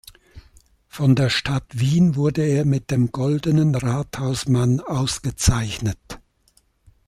Von der Stadt Wien wurde er mit dem Goldenen Rathausmann ausgezeichnet.